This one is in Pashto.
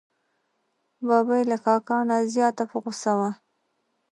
ببۍ له کاکا نه زیاته په غوسه وه.